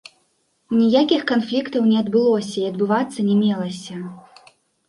Ніякіх канфліктаў не адбылося і адбывацца не мелася.